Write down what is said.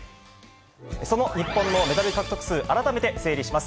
その日本のメダル獲得数、改めて整理します。